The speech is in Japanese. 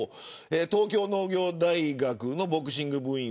東京農業大学のボクシング部員